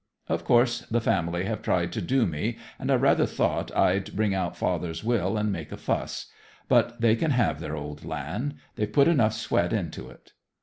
Of course the family have tried to do me, and I rather thought I'd bring out father's will and make a fuss. But they can have their old land; they've put enough sweat into it."